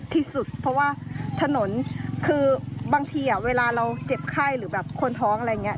ที่สุดเพราะว่าถนนคือบางทีเวลาเราเจ็บไข้หรือแบบคนท้องอะไรอย่างนี้